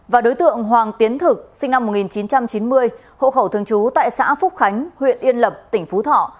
và đối tượng hoàng tiến thực sinh năm một nghìn chín trăm chín mươi hộ khẩu thường trú tại xã phúc khánh huyện yên lập tỉnh phú thọ